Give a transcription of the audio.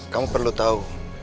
kamu perlu tahu